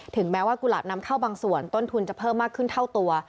แม้ว่ากุหลาบนำเข้าบางส่วนต้นทุนจะเพิ่มมากขึ้นเท่าตัว